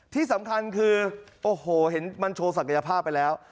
ที่สำคัญคือโอ้โหเห็นมันโชว์ศักยภาพไปแล้ว